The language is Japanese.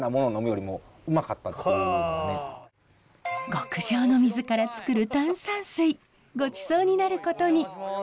極上の水からつくる炭酸水ごちそうになることに。